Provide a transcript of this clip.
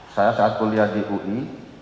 saya saat kuliah di ui